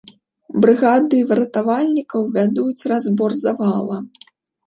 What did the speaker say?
Брыгады выратавальнікаў вядуць разбор завала.